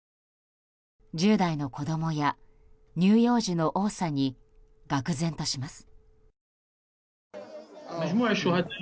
１０代の子供や乳幼児の多さに愕然とします。